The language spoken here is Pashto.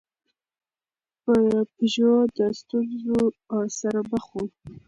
پژو د ستونزو سره مخ و.